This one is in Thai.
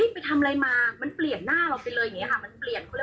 เฮ้ยไปทำอะไรมามันเปลี่ยนหน้าเราไปเลยอย่างเนี่ยค่ะ